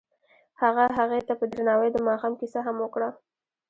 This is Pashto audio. هغه هغې ته په درناوي د ماښام کیسه هم وکړه.